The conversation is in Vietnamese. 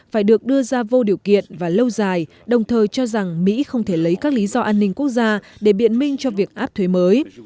phải được đưa ra vô điều kiện và lâu dài đồng thời cho rằng mỹ không thể lấy các lý do an ninh quốc gia để biện minh cho việc áp thuế mới